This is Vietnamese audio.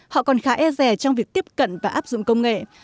họ còn khá e rè trong việc tiếp cận và áp dụng công nghệ